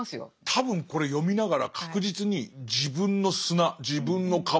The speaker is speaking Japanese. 多分これ読みながら確実に自分の砂自分の壁